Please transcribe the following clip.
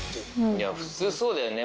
普通そうだよね。